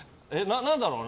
何だろうな。